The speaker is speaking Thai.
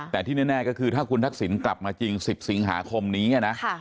แต่ที่แน่ก็คือถ้าคุณทักษิณกลับมาจริง๑๐สิงหาคมนี้นะ